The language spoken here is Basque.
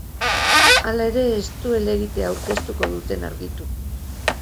Hala ere, ez du helegitea aurkeztuko duten argitu.